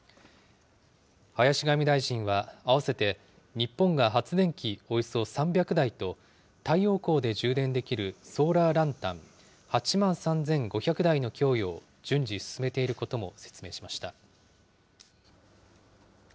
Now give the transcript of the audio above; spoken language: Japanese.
林外務大臣は、あわせて、日本が発電機およそ３００台と、太陽光で充電できるソーラーランタン８万３５００台の供与を順次進めていることも説明しました。